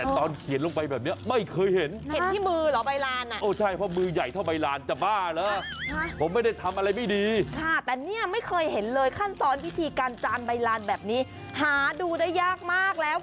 ที่จะฆ่าเพื่อนรักของตัวแม่